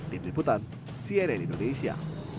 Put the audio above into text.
tim liputan cnn indonesia